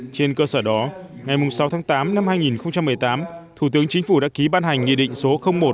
trên cơ sở đó ngày sáu tháng tám năm hai nghìn một mươi tám thủ tướng chính phủ đã ký ban hành nghị định số một